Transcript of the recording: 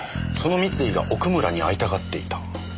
その三井が奥村に会いたがっていた。